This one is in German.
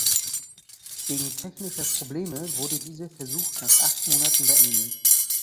Wegen technischer Probleme wurde dieser Versuch nach acht Monaten beendet.